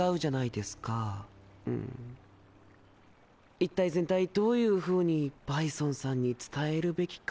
一体全体どういうふうにバイソンさんに伝えるべきか。